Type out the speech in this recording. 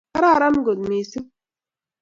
kararan kot missing